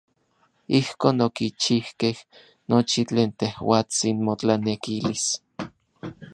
Ijkon okichijkej nochi tlen tejuatsin motlanekilis.